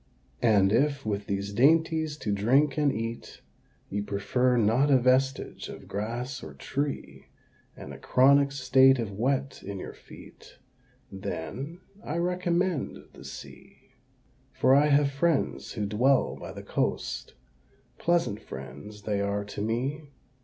And if, with these dainties to drink and eat, You prefer not a vestige of grass or tree, And a chronic state of wet in your feet, Then I recommend the Sea. For I have friends who dwell by the coast Pleasant friends they are to me!